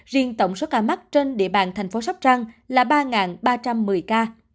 riêng tổng số ca mắc trên địa bàn thành phố sóc trăng là ba ba trăm một mươi ca